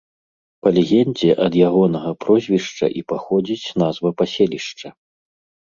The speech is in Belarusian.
Па легендзе ад ягонага прозвішча і паходзіць назва паселішча.